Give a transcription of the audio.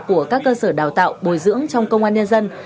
của các cơ sở đào tạo bồi dưỡng trong công an nhân dân